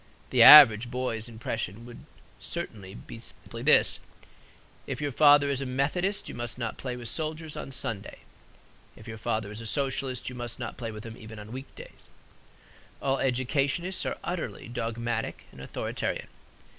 The average boy's impression certainly would be simply this: "If your father is a Methodist you must not play with soldiers on Sunday. If your father is a Socialist you must not play with them even on week days." All educationists are utterly dogmatic and authoritarian.